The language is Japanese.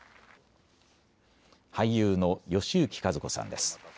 俳優の吉行和子さんです。